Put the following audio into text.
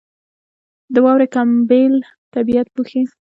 • د واورې کمبل طبیعت پوښي.